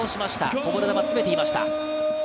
こぼれ球を詰めていきました。